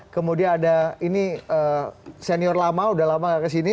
kemudian ada ini senior lama udah lama gak kesini